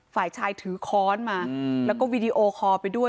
ฝ่ายชายถือค้อนมาแล้วก็วีดีโอคอลไปด้วย